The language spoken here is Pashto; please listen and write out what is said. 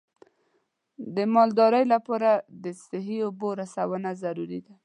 د مالدارۍ لپاره د صحي اوبو رسونه ضروري ده.